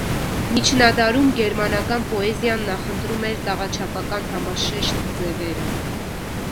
Միջնադարում գերմանական պոեզիան նախընտրում էր տաղաչափական համաշեշտ ձևերը։